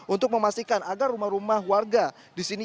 untuk memastikan agar rumah rumah warga di sini